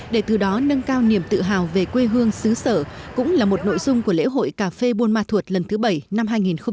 để từ đó nâng cao niềm tự hào về quê hương xứ sở cũng là một nội dung của lễ hội cà phê bù mật thuột lần thứ bảy năm hai nghìn một mươi chín